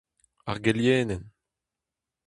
Ar Gelienenn.